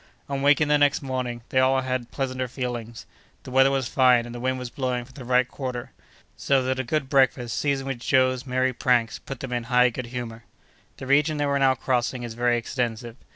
On awaking the next morning, they all had pleasanter feelings. The weather was fine, and the wind was blowing from the right quarter; so that a good breakfast, seasoned with Joe's merry pranks, put them in high good humor. The region they were now crossing is very extensive.